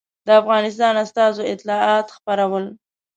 د افغانستان استازو اطلاعات خپرول.